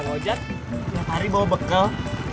kalau ojek tiap hari bawa bekel